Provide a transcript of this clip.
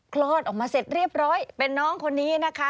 คลอดออกมาเสร็จเรียบร้อยเป็นน้องคนนี้นะคะ